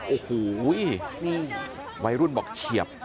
โอ้โหวัยรุ่นบอกเฉียบ